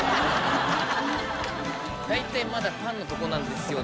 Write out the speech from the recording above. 大体「まだパンのとこなんですよ」